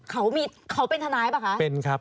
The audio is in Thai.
เขาเป็นทนายเปล่าคะ